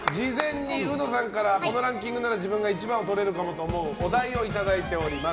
事前に、うのさんからこのランキングなら自分が１番をとれるかもと思うお題をいただいております。